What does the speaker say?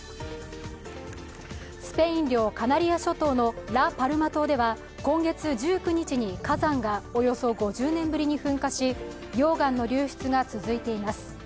スペイン領カナリア諸島のラ・パルマ島では今月１９日に火山がおよそ５０年ぶりに噴火し溶岩の流出が続いています。